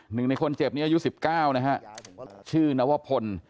หนึ่งในคนเจ็บนี้อายุ๑๙นะฮะชื่อนวพล